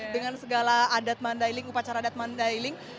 dengan segala adat mandailing upacara adat mandailing